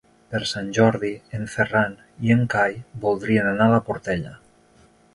Per Sant Jordi en Ferran i en Cai voldrien anar a la Portella.